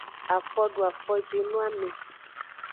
Afodoafojinoame.